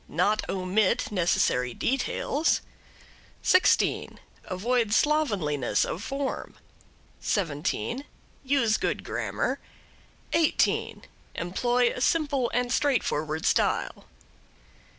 Not omit necessary details. 16. Avoid slovenliness of form. 17. Use good grammar. 18. Employ a simple and straightforward style.